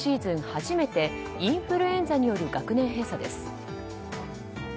初めてインフルエンザによる学年閉鎖です。